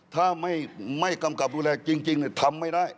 ถ้าไม่กำกับดูแลจริงทำไม่ได้